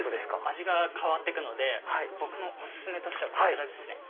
味が変わってくので僕のお薦めはこちらですね。